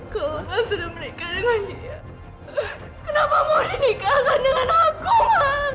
kalau kau sudah menikah dengan nia kenapa mau dinikahkan dengan aku mas